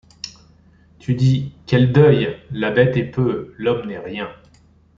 Tu dis: — Quel deuil! la bête est peu, L’homme n’est rien.